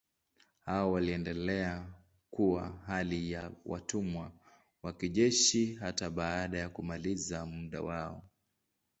Hao waliendelea kuwa hali ya watumwa wa kijeshi hata baada ya kumaliza muda wao.